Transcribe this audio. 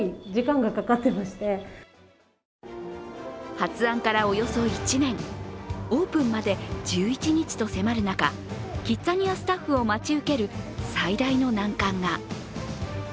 発案からおよそ１年オープンまで１１日と迫る中キッザニアスタッフを待ち受ける最大の難関が。